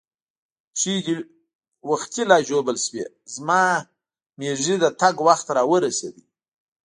پښې دې وختي لا ژوبل شوې، زما مېږي د تګ وخت را ورسېد.